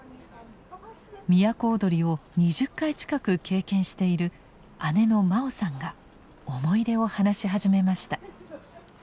都をどりを２０回近く経験している姉の真生さんが思い出を話し始めました。